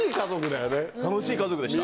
楽しい家族でした。